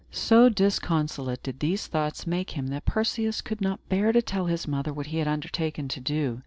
So disconsolate did these thoughts make him, that Perseus could not bear to tell his mother what he had undertaken to do.